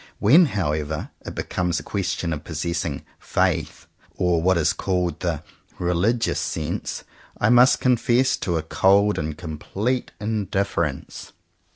When however it becomes a question of possessing "faith," or having what is called the "religious sense," I must confess to a cold and complete indifference.